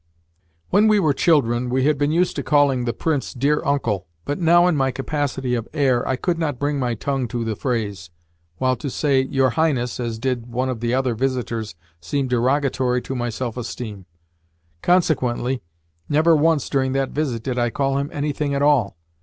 When we were children, we had been used to calling the Prince "dear Uncle;" but now, in my capacity of heir, I could not bring my tongue to the phrase, while to say "Your Highness," as did one of the other visitors, seemed derogatory to my self esteem. Consequently, never once during that visit did I call him anything at all.